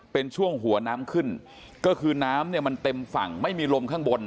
เป็นช่วงหัวน้ำขึ้นก็คือน้ำเนี่ยมันเต็มฝั่งไม่มีลมข้างบน